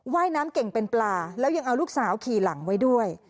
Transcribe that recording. ว่ายน้ำเก่งเป็นปลาแล้วยังเอาลูกสาวขี่หลังไว้ด้วย